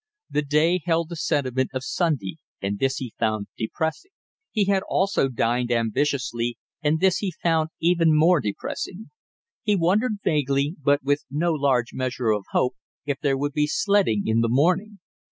The day held the sentiment of Sunday and this he found depressing. He had also dined ambitiously, and this he found even more depressing. He wondered vaguely, but with no large measure of hope, if there would be sledding in the morning.